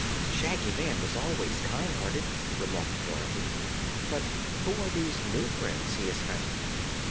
"Shaggy Man was always kind hearted," remarked Dorothy. "But who are these new friends he has found?"